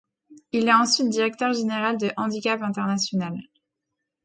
Il est ensuite directeur général de Handicap international.